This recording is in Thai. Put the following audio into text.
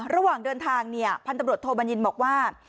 ระหว่างเดินทางพันตำรวจโทบันยินบอกว่า